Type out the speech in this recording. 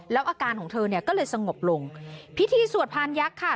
แล้วอาการของเธอเนี่ยก็เลยสงบลงพิธีสวดพานยักษ์ค่ะ